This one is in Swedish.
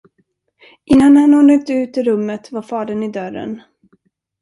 Innan han hunnit ut ur rummet var fadern i dörren.